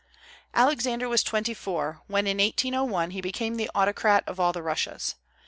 Alexander was twenty four when, in 1801, he became the autocrat of all the Russias.